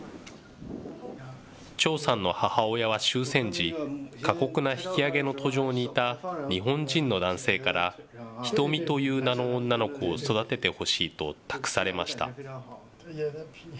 趙さんの母親は終戦時、過酷な引き揚げの途上にいた日本人の男性から、瞳という名の女の子を育ててほしいと託されました。